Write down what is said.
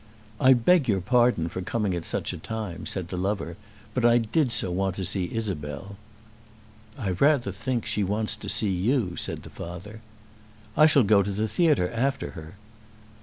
"I beg your pardon for coming at such a time," said the lover, "but I did so want to see Isabel." "I rather think she wants to see you," said the father. "I shall go to the theatre after her."